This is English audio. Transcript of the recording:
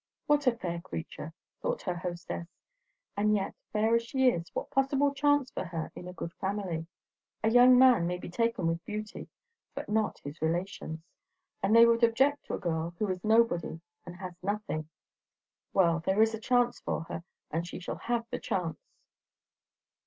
What a fair creature! thought her hostess; and yet, fair as she is, what possible chance for her in a good family? A young man may be taken with beauty, but not his relations; and they would object to a girl who is nobody and has nothing. Well, there is a chance for her, and she shall have the chance.